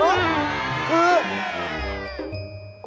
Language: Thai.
เอ๊ะคือ